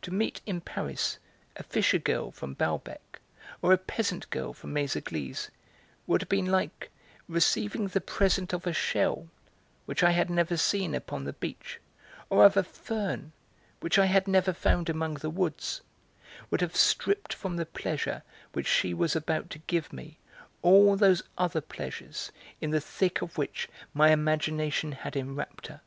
To meet in Paris a fisher girl from Balbec or a peasant girl from Méséglise would have been like receiving the present of a shell which I had never seen upon the beach, or of a fern which I had never found among the woods, would have stripped from the pleasure which she was about to give me all those other pleasures in the thick of which my imagination had enwrapped her.